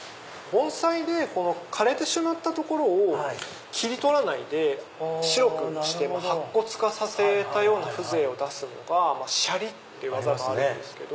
盆栽で枯れてしまった所を切り取らないで白くして白骨化させたような風情を出すのが舎利って技があるんですけど。